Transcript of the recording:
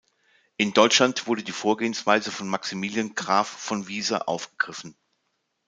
In Deutschland wurde die Vorgehensweise von Maximilian Graf von Wiser aufgegriffen.